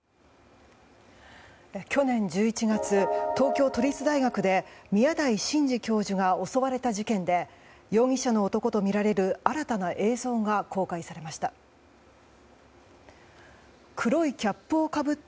去年１１月東京都立大学で宮台真司教授が襲われた事件で容疑者の男とみられる新たな映像が公開されました。